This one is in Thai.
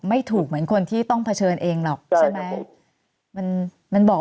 ไม่ถูกเหมือนคนที่ต้องประเภนเองหรอกใช่ไหมมันมันบอก